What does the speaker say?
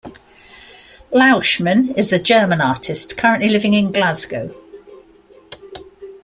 Lauschman is a German artist currently living in Glasgow.